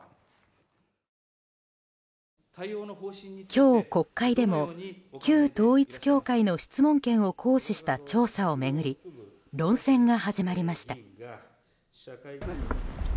今日、国会でも、旧統一教会の質問権を行使した調査を巡り論戦が始まりました。